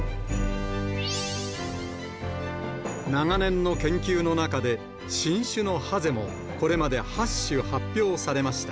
長年の研究の中で、新種のハゼも、これまで８種発表されました。